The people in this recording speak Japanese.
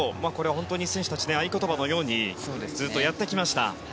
本当に選手たち合言葉のようにずっとやってきました。